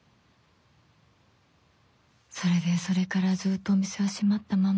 それでそれからずっとお店は閉まったまんま